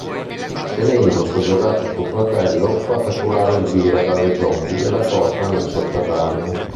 Tenendo soggiogato suo fratello fa catturare Elvira dalle zombie e la porta nel sotterraneo.